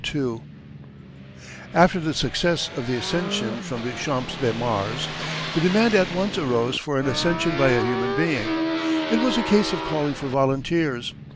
] After the success of the ascension from the Champ de Mars, the demand at once arose for an ascension by a human being. It was a case of calling for volunteers.